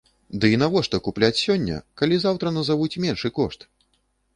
Ды і навошта купляць сёння, калі заўтра назавуць меншы кошт?